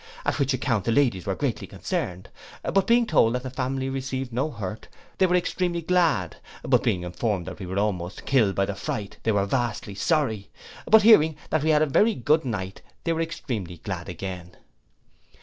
At which account the ladies were greatly concerned; but being told the family received no hurt, they were extremely glad: but being informed that we were almost killed by the fright, they were vastly sorry; but hearing that we had a very good night, they were extremely glad again.